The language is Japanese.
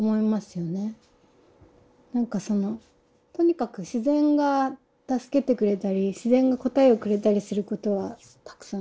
なんかそのとにかく自然が助けてくれたり自然が答えをくれたりすることはたくさんあるし。